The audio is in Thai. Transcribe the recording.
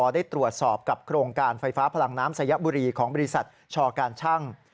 ได้ตรวจสอบกับโครงการไฟฟ้าพลังน้ำสยบุรีของบริษัทชอการชั่ง